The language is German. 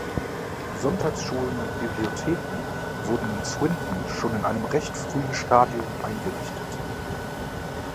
Sonntagsschulen und Bibliotheken wurden in Swinton schon in einem recht frühen Stadium eingerichtet.